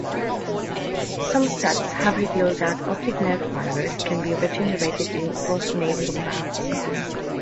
Some studies have revealed that optic nerve fibers can be regenerated in postnatal rats.